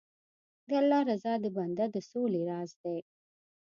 د الله رضا د بنده د سولې راز دی.